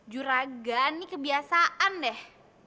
juragan ini kebiasaan deh